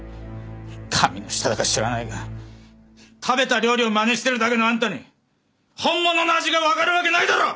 神の舌だか知らないが食べた料理をまねしてるだけのあんたに本物の味がわかるわけないだろ！